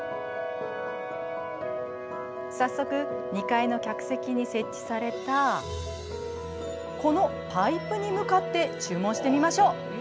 早速、２階の客席に設置されたこのパイプに向かって注文してみましょう。